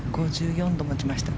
５４度を持ちました。